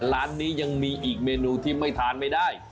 ร้านนี้ยังมีอีกเมนูที่ไม่ทานไม่ได้